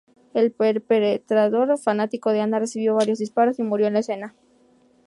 El perpetrador, fanático de Ana, recibió varios disparos y murió en la escena.